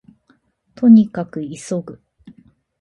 兎に角急ぐ